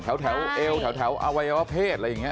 แถวเอวแถวอวัยวะเพศอะไรอย่างนี้